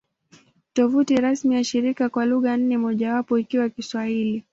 Tovuti rasmi ya shirika kwa lugha nne, mojawapo ikiwa Kiswahili